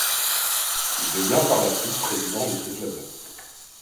Il devient par la suite président de ce club.